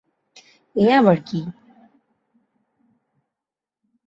এ আবার কী।